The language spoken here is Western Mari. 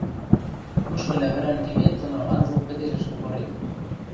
Кышкы лявӹрӓн кемет доно анзыл кӹдежӹшкӹ пырет!